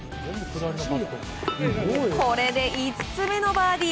これで５つ目のバーディー。